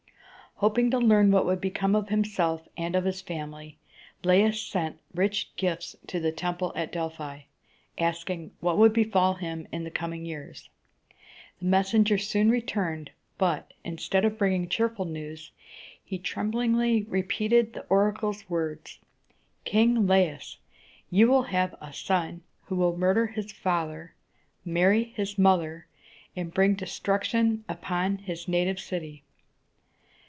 Hoping to learn what would become of himself and of his family, Laius sent rich gifts to the temple at Delphi, asking what would befall him in the coming years. The messenger soon returned, but, instead of bringing cheerful news, he tremblingly repeated the oracle's words: "King Laius, you will have a son who will murder his father, marry his mother, and bring destruction upon his native city!"